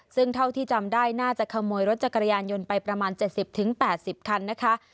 ซึ่งเท่าที่จำได้น่าจะขโมยรถจักรยานยนต์ไปประมาณ๗๐๘๐คันนะคะ